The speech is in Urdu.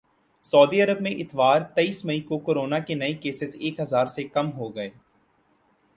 سعودی عرب میں اتوار تیس مئی کو کورونا کے نئے کیسز ایک ہزار سے کم ہوگئے